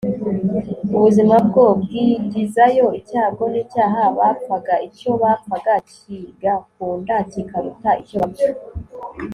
ubuzima, bwo bwigizayo icyago n'icyaha bapfaga. icyo bapfana kigakunda kikaruta icyo bapfa